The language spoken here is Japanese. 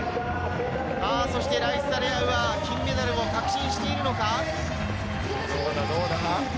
そしてライッサ・レアウは金メダルを確信しているのか？